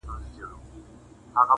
دا مناففت پرېږده کنې نو دوږخي به سي,